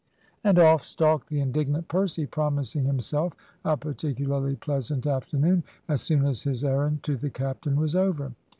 And off stalked the indignant Percy, promising himself a particularly pleasant afternoon, as soon as his errand to the captain was over.